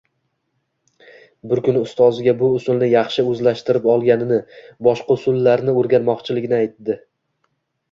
Bir kuni ustoziga bu usulni yaxshi oʻzlashtirib olganini, boshqa usullarni oʻrganmoqchiligini aytdi